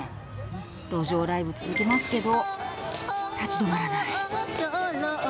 路上ライブ続けますけど立ち止まらない。